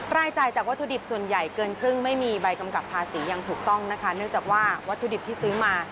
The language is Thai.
รายจ่ายจากวัตถุดิบส่วนใหญ่เกินครึ่งไม่มีใบกำกับภาษียังถูกต้องนะคะเนื่องจากว่าวัตถุดิบที่ซื้อมา